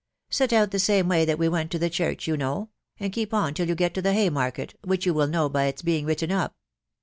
Set out the same way that we went to the church, you know, and keep on till you get to the Hay market, which you will know by it's being written up.